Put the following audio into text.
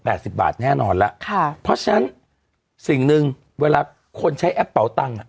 สิบบาทแน่นอนแล้วค่ะเพราะฉะนั้นสิ่งหนึ่งเวลาคนใช้แอปเป่าตังค์อ่ะ